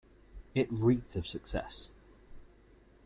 It reeked of success.